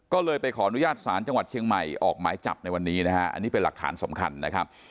ก็เลยไปขออนุญาตศาลจังหวัดเชียงใหม่ออกหมายจับในวันนี้นะฮะอันนี้เป็นหลักฐานสำคัญนะครับ